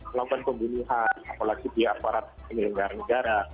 melakukan pembunuhan apalagi di aparat penyelenggaraan negara